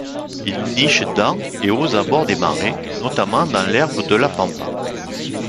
Il niche dans et aux abords des marais, notamment dans l’herbe de la pampa.